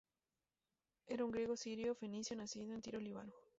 Era un griego sirio- fenicio nacido en Tiro, Líbano.